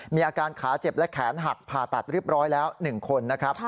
มีอาการขาเจ็บและแขนหักผ่าตัดเรียบร้อยแล้ว๑คนนะครับ